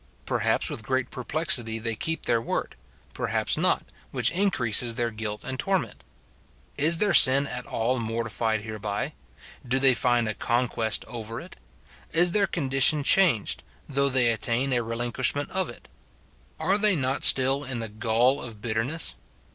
Perhaps with great perplexity they keep their word ; perhaps not, which in creases their guilt and torment. Is their sin at all mor SIN IN BELIEVERS. 213 tified hereby ? Do they find a conquest over it ? Is their condition changed, though they attain a relinquish ment of it ? Are they not still in the gall of bitterness